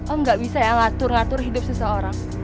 om gak bisa ya ngatur ngatur hidup seseorang